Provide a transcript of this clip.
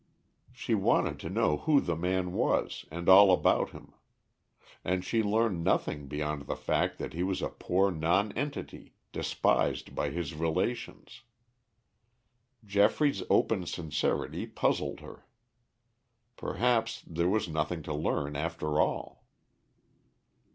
She wanted to know who the man was and all about him. And she learned nothing beyond the fact that he was a poor nonentity, despised by his relations. Geoffrey's open sincerity puzzled her. Perhaps there was nothing to learn after all.